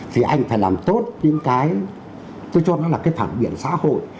thì anh phải làm tốt những cái tôi cho nó là cái phản biện xã hội